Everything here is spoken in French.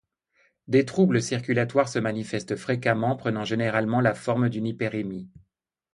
Des troubles circulatoires se manifestent fréquemment, prenant généralement la forme d'une hyperémie.